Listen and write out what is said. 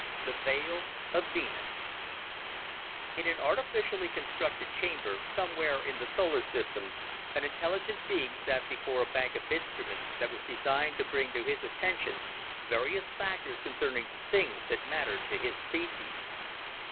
The Veil of Venus In an artificially constructed chamber somewhere in the solar system, an intelligent being sat before a bank of instruments that was designed to bring to his attention various factors concerning the things that mattered to his species.